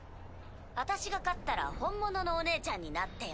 私が勝ったら本物のお姉ちゃんになってよ。